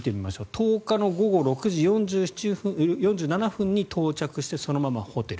１０日の午後６時４７分に到着してそのままホテル。